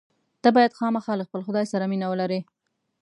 ته باید خامخا له خپل خدای سره مینه ولرې.